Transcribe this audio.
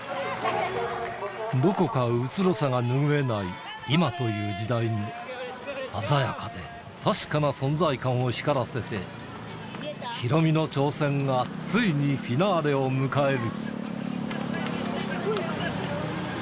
どこかうつろさが拭えない今という時代に、鮮やかで確かな存在感を光らせて、ヒロミの挑戦がついにフィナーレを迎える。